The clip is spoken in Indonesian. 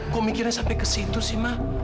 kok mikirnya sampai kesitu sih ma